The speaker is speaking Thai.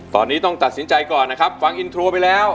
ตอนนี้ต้องตัดสินใจก่อนนะครับฟังอินโทรไปแล้ว